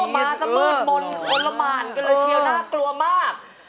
มาซะมืดมนต์อลละหมานกันเลยเชียวน่ากลัวมาก